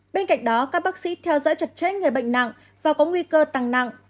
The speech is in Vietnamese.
bên cạnh đó các bác sĩ theo dõi chặt chẽ người bệnh nặng và có nguy cơ tăng nặng